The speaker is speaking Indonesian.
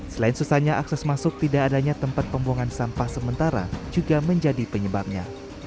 selain susahnya akses masuk tidak adanya tempat pembuangan sampah sementara juga menjadi penyebabnya